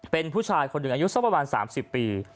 เป็นผู้ชายคนหนึ่งอายุสักประมาณ๓๐ปี